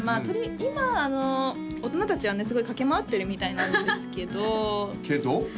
今あの大人達はねすごい駆け回ってるみたいなんですけどけど？